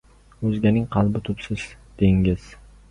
• O‘zganing qalbi ― tubsiz dengiz.